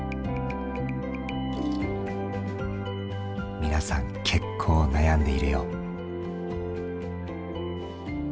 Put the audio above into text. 皆さん結構悩んでいるよう。